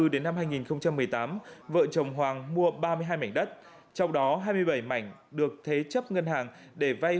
đến năm hai nghìn một mươi tám vợ chồng hoàng mua ba mươi hai mảnh đất trong đó hai mươi bảy mảnh được thế chấp ngân hàng để vay